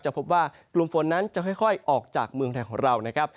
พบว่ากลุ่มฝนนั้นจะค่อยออกจากเมืองไทยของเรานะครับ